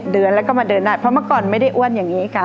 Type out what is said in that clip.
เดินแล้วก็มาเดินได้เพราะเมื่อก่อนไม่ได้อ้วนอย่างนี้ค่ะ